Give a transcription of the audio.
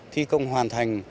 thi công hoàn thành